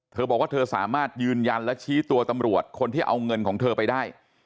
เธอบอกว่าเธอสามารถยืนยันและชี้ตัวตำรวจคนที่เอาเงินของเธอไปได้